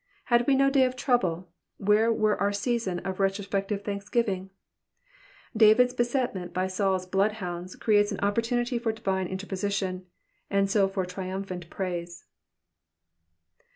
Had we no day of trouble, where were our season of retrospective thanksgiving ? David's besetment by SauPs bloodhounds creates an opportunity for divine mterposition and so for triumphant praise.